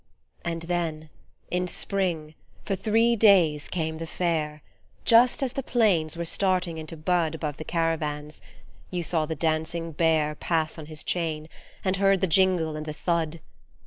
And then in Spring for three days came the Fair Just as the planes were starting into bud Above the caravans : you saw the dancing bear Pass on his chain ; and heard the jingle and the thud.